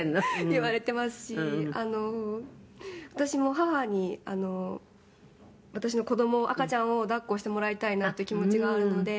「言われていますし私も母に私の子供赤ちゃんを抱っこしてもらいたいなっていう気持ちがあるので」